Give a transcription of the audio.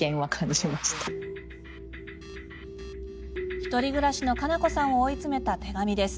１人暮らしの、かなこさんを追い詰めた手紙です。